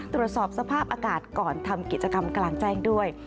ตรวจสอบสภาพอากาศก่อนทำกิจกรรมกลางแจ้งด้วย